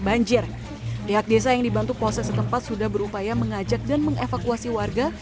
banjir pihak desa yang dibantu polsek setempat sudah berupaya mengajak dan mengevakuasi warga